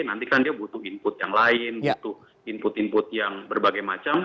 nanti kan dia butuh input yang lain butuh input input yang berbagai macam